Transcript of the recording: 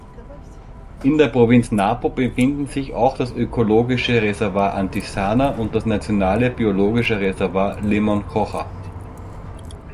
In der Provinz Napo befinden sich auch das Ökologische Reservat Antisana und das Nationale Biologische Reservat Limoncocha.